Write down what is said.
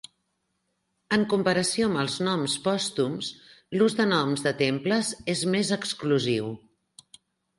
En comparació amb els noms pòstums, l'ús de noms de temples és més exclusiu.